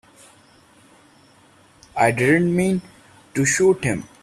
I didn't mean to shoot him.